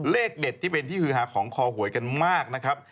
เลขเด็ดที่เป็นที่ฮือฮาของคอหวยกันมากนะครับ